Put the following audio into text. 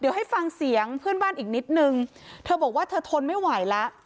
เดี๋ยวให้ฟังเสียงเพื่อนบ้านอีกนิดนึงเธอบอกว่าเธอทนไม่ไหวแล้ว